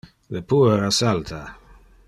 Le puera salta.